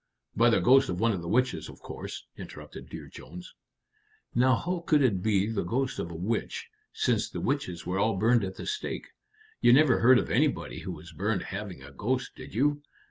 "By the ghost of one of the witches, of course?" interrupted Dear Jones. "Now how could it be the ghost of a witch, since the witches were all burned at the stake? You never heard of anybody who was burned having a ghost, did you?"